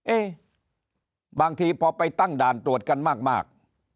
บางทีพอไปตั้งด่านตรวจกันมาก